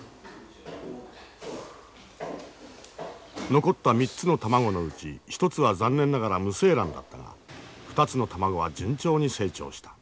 残った３つの卵のうち１つは残念ながら無精卵だったが２つの卵は順調に成長した。